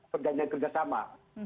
peganian kerja sama